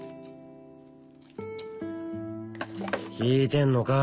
聞いてんのか？